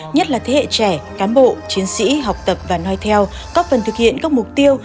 nhất là thế hệ trẻ cán bộ chiến sĩ học tập và nói theo có phần thực hiện các mục tiêu